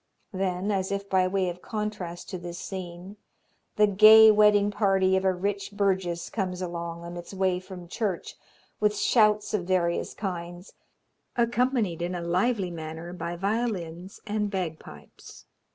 Then, as if by way of contrast to this scene, the gay wedding party of a rich burgess comes along on its way from church, with shouts of various kinds, accompanied in a lively manner by violins and bagpipes.